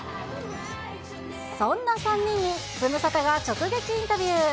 そんな３人に、ズムサタが直撃インタビュー。